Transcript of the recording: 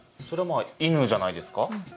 それはまあ犬じゃないですか？